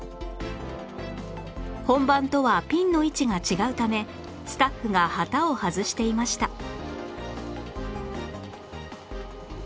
本番とはピンの位置が違うためスタッフが旗を外していました